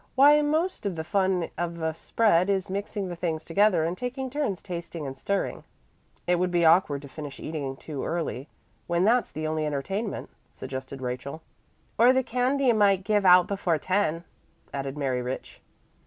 Why, most of the fun of a spread is mixing the things together and taking turns tasting and stirring." "It would be awkward to finish eating too early, when that's the only entertainment," suggested Rachel. "Or the candy might give out before ten," added Mary Rich.